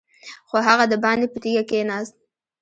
خو هغه دباندې په تيږه کېناست.